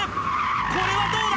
これはどうだ？